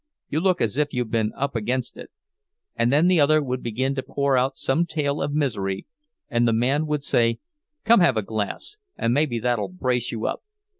You look as if you'd been up against it!" And then the other would begin to pour out some tale of misery, and the man would say, "Come have a glass, and maybe that'll brace you up."